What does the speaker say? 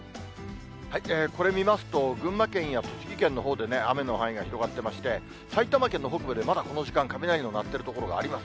これ見ますと、群馬県や栃木県のほうでね、雨の範囲が広がってまして、埼玉県の北部でまだこの時間、雷の鳴っている所があります。